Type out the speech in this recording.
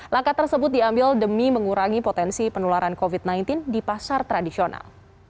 langkah tersebut diambil demi mengurangi potensi penularan covid sembilan belas di pasar tradisional